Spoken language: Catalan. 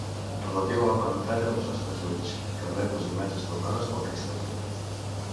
Relatiu a la pantalla dels nostres ulls, que rep les imatges formades pel cristal·lí.